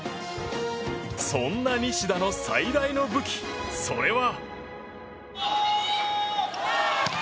そんな西田の最大の武器それは。